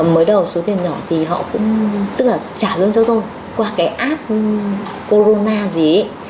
mới đầu số tiền nhỏ thì họ cũng trả lương cho tôi qua cái app corona gì ấy